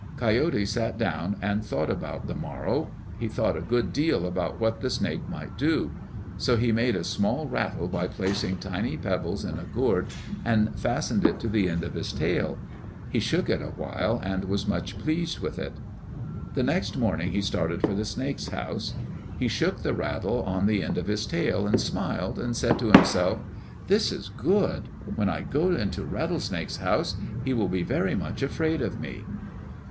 Coyote sat down and thought about the morrow. He thought a good deal about what the snake might do. So he made a small rattle by placing tiny pebbles in a gourd and fastened it to the end of his tail. He shook it a while and was much pleased with it. The next morning he started for the snake's house. He shook the rattle on the end of his tail and smiled, and said to himself, "This is good. When I go into Rattlesnake's house, he will be very much afraid of me."